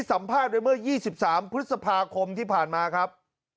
สัมภาษณ์ไปเมื่อ๒๓พฤษภาคมที่ผ่านมาครับ